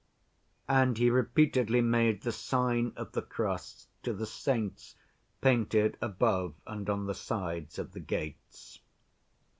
And he repeatedly made the sign of the cross to the saints painted above and on the sides of the gates.